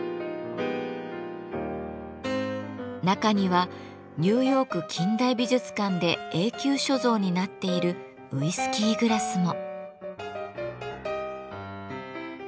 中にはニューヨーク近代美術館で永久所蔵になっているウイスキーグラスも。